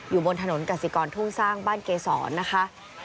อยู่บนถนนกสิกรทุ่งสร้างบ้านเกษรนะคะ